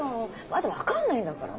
まだ分かんないんだから。